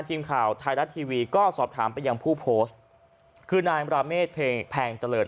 ทีมข่าวไทยรัฐทีวีก็สอบถามไปยังผู้โพสต์คือนายมราเมฆเพลงแพงเจริญ